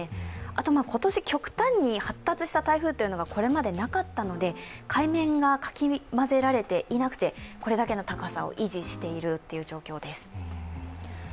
あと、今年極端に発達した台風がこれまでなかったので海面がかき混ぜられていなくてこれだけの高さを維持しているという状況です。